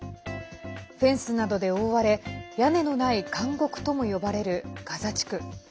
フェンスなどで覆われ屋根のない監獄とも呼ばれるガザ地区。